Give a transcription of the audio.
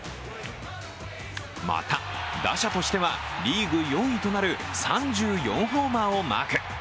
また打者としてはリーグ４位となる３４ホーマーをマーク。